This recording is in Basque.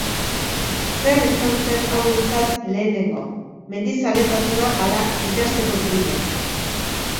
Zer izan zen hauentzat lehenengo, mendizaletasuna ala idazteko grina?